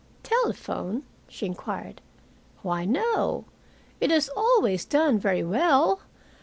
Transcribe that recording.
"Telephone?" she inquired. "Why, no. It has always done very well.